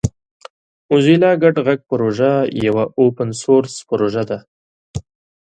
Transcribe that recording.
موزیلا ګډ غږ پروژه یوه اوپن سورس پروژه ده.